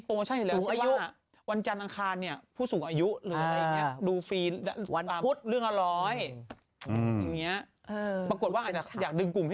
ผมว่าเขาอาจจะไม่ต้องการกลุ่มนี้แต่เด็กนักเรียนเขาอาจจะรู้สึกว่า